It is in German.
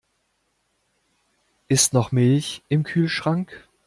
Ist noch Milch im Kühlschrank?